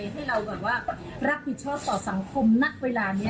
ให้เรารักผิดชอบต่อสังคมนักเวลานี้